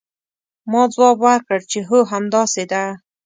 ما ځواب ورکړ چې هو همداسې ده.